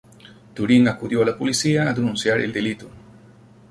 Turing acudió a la policía a denunciar el delito.